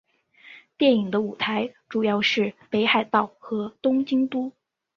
电影的舞台主要是北海道和东京都。